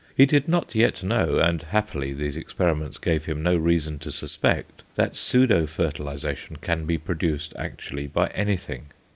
He did not yet know, and, happily, these experiments gave him no reason to suspect, that pseudo fertilization can be produced, actually, by anything.